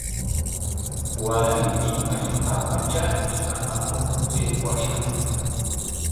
Waraymi hallqapa charki apamuq aywashaq.